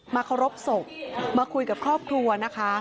เคารพศพมาคุยกับครอบครัวนะคะ